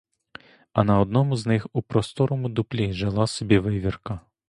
А на одному з них у просторому дуплі жила собі вивірка.